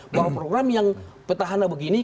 bahwa program yang petahana begini